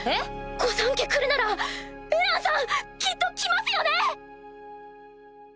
御三家来るならエランさんきっと来ますよね